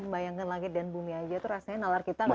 bayangkan langit dan bumi aja tuh rasanya nalar kita gak